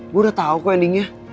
gue udah tau kok endingnya